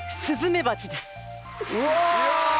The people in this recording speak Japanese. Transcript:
うわ！